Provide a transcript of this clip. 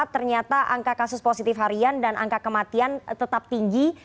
ternyata angka kasus positif harian dan angka kematian tetap tinggi